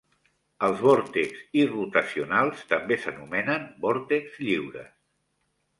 Els vòrtexs irrotacionals també s'anomenen "vòrtexs lliures".